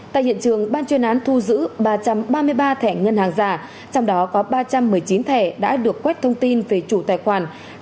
tại hiện trường ban chuyên án thu giữ ba trăm ba mươi ba thẻ ngân hàng giả trong đó có ba trăm một mươi chín thẻ đã được quét thông tin về chủ tài khoản